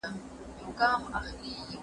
فساد د شر غوټه ده.